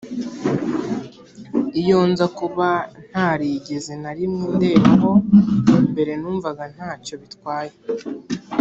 Iyo nza kuba ntarigeze na rimwe ndebaho mbere numvaga nta cyo bitwaye